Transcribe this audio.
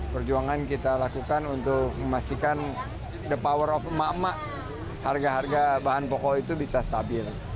perjuangan kita lakukan untuk memastikan the power of emak emak harga harga bahan pokok itu bisa stabil